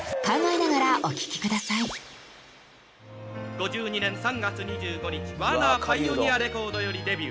５２年３月２５日ワーナー・パイオニアレコードよりデビュー。